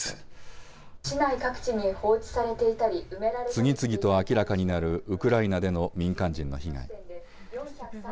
次々と明らかになるウクライナでの民間人の被害。